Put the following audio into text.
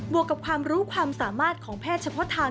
วกกับความรู้ความสามารถของแพทย์เฉพาะทาง